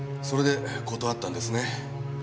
それで断ったんですね。